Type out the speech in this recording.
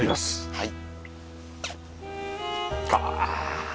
はい。